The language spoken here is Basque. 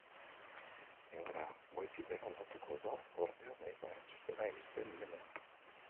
Egoera goitik behera aldatuko da ordea, medikuaren txostena iristen denean.